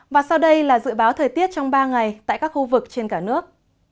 và sau đây là dự báo thời tiết trong ba ngày tại các khu vực trên cả nước